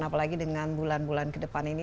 apalagi dengan bulan bulan ke depan ini